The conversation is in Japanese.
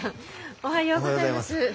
おはようございます。